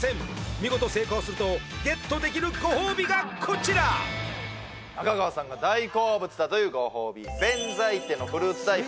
見事成功するとゲットできるご褒美がこちら中川さんが大好物だというご褒美弁才天のフルーツ大福